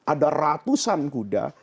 ada ratusan kuda